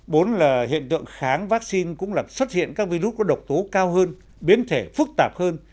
bốn là hiện tượng kháng vaccine cũng làm xuất hiện các virus có độc tố cao hơn biến thể phức tạp hơn